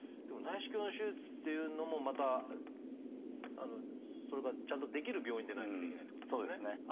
でも内視鏡の手術っていうのもまたそれがちゃんとできる病院でないとできないってことですよね。